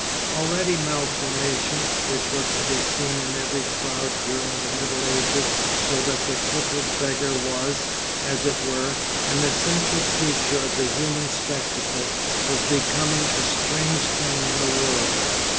Already malformation, which was to be seen in every crowd during the middle ages so that the crippled beggar was, as it were, an essential feature of the human spectacle, was becoming a strange thing in the world.